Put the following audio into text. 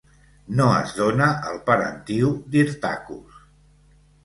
No es dona el parentiu d'Hyrtacus.